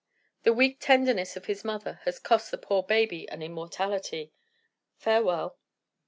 The weak tenderness of his mother has cost the poor boy an immortality. Farewell."